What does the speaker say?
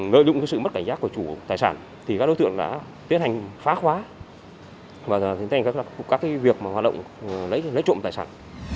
lợi dụng sự mất cảnh giác của chủ tài sản